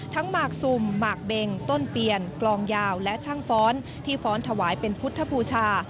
หมากซุ่มหมากเบงต้นเปียนกลองยาวและช่างฟ้อนที่ฟ้อนถวายเป็นพุทธบูชา